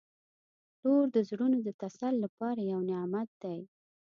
• لور د زړونو د تسل لپاره یو نعمت دی.